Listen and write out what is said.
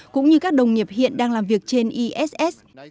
cũng như các đồng nghiệp hiện đang làm việc trên iss